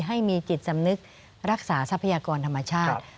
ให้มีจิตสำนึกรักษาทรัพยากรธรรมชาติ